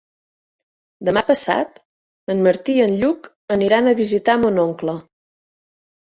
Demà passat en Martí i en Lluc aniran a visitar mon oncle.